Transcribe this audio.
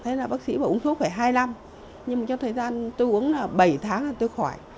thế là bác sĩ bỏ uống thuốc phải hai năm nhưng mà cho thời gian tôi uống là bảy tháng là tôi khỏi